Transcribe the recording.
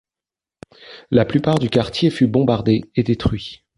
La plupart du quartier fut bombardé et détruit.